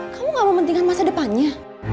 kamu gak mementingkan masa depannya